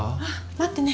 待ってね。